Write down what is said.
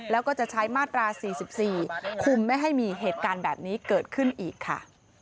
แล้วก็จะใช้มาตรา๔๔คุมไม่ให้มีเหตุการณ์แบบนี้เกิดขึ้นอีกค่ะ